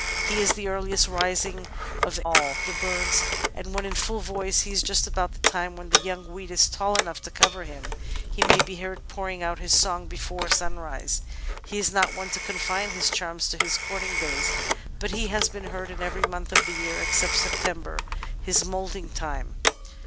He is the earliest rising of aU the birds, and when in full voice, as he is just about the time when the young wheat is tall enough to cover him, he may be heard pour ing out his song before simrise. He is not one to confine his charms to his courting days, but has been heard in every month of the year except September, his moulting time.